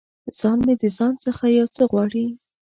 ځان مې د ځان څخه یو څه غواړي